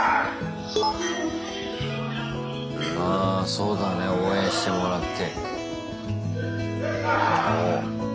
そうだね応援してもらって。